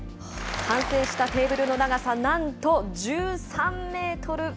完成したテーブルの長さ、なんと１３メートル。